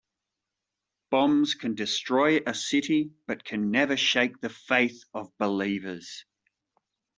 Bombs can destroy a city but can never shake the faith of believers.